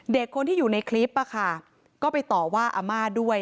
เด็กคนที่อยู่ในคลิปก็ไปต่อว่าอาม่าด้วย